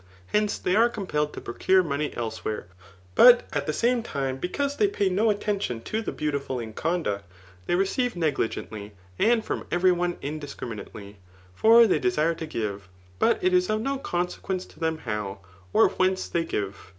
Hoice^ they are compelled to .procure money elsewhere ; but at the same time^ because they pay no attention to the beaUt* tifiil in.ccmd«ict» they receive negligently, and from ^v&ry CQtiiiditcami&ately, For they desire to give ; but it is afuBQ cooseqeence to them how, or whence they give.